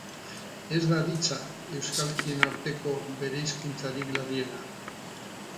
Ez da aditza euskalkien arteko bereizkuntzarik larriena.